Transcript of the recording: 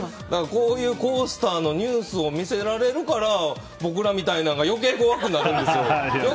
こういうコースターのニュースを見せられるから僕らみたいなのが余計怖くなるんですよ。